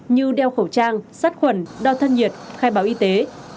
như đeo khẩu trang sát khuẩn đo thân nhiệt khai báo y tế